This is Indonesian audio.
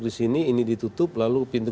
di sini ini ditutup lalu pintu